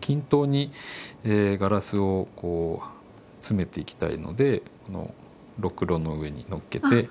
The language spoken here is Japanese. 均等にガラスを詰めていきたいのでろくろの上にのっけて。